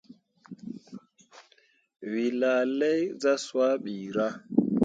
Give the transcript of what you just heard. Wǝ laa lai zah swaa ɓirah.